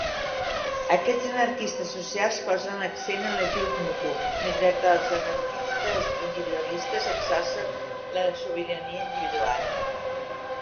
Aquests anarquistes socials posen l'accent en l'ajut mutu, mentre que els anarquistes individualistes exalcen la sobirania individual.